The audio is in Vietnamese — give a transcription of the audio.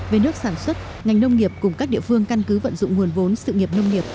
về nước sản xuất ngành nông nghiệp cùng các địa phương căn cứ vận dụng nguồn vốn sự nghiệp nông nghiệp